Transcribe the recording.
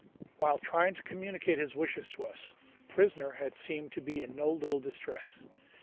While trying to communicate his wishes to us, the prisoner had seemed to be in no little distress.